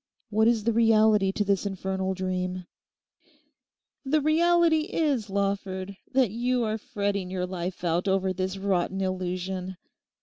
What is the reality to this infernal dream?' 'The reality is, Lawford, that you are fretting your life out over this rotten illusion.